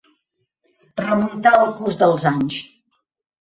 Remuntar el curs dels anys.